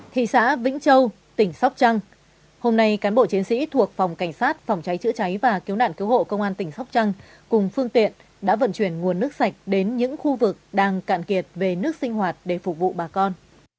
thị xã vĩnh châu tỉnh sóc trăng hôm nay cán bộ chiến sĩ thuộc phòng cảnh sát phòng cháy chữa cháy và cứu nạn cứu hộ công an tỉnh sóc trăng cùng phương tiện đã vận chuyển nguồn nước sạch đến những khu vực đang cạn kiệt về nước sinh hoạt để phục vụ bà con